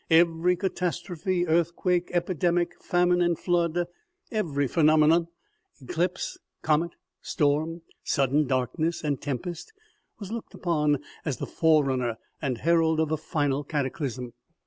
Every catastrophe, earthquake, epidemic, famine and flood, every phenomenon, eclipse, comet, storm, sudden darkness and tempest, was looked upon as the fore runner and herald of the final cataclysm.